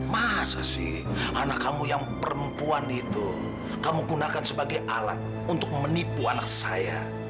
masa sih anak kamu yang perempuan itu kamu gunakan sebagai alat untuk menipu anak saya